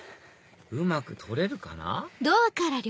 うまく撮れるかな？